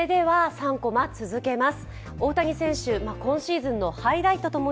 「３コマ」続けます。